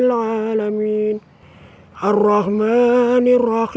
assalamualaikum warahmatullahi wabarakatuh